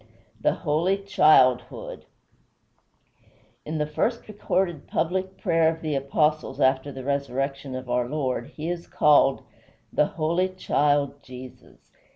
V THE HOLY CHILDHOOD In the first recorded public prayer of the Apostles after the resurrection of our Lord he is called "THY HOLY CHILD JESUS."